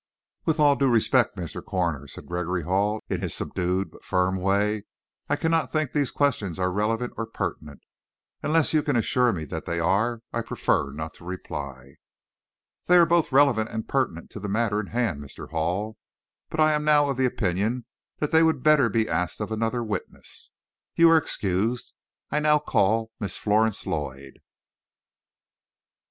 "With all due respect, Mr. Coroner," said Gregory Hall, in his subdued but firm way, "I cannot think these questions are relevant or pertinent. Unless you can assure me that they are, I prefer not to reply." "They are both relevant and pertinent to the matter in hand, Mr. Hall; but I am now of the opinion that they would better be asked of another witness. You are excused. I now call Miss Florence Lloyd." V.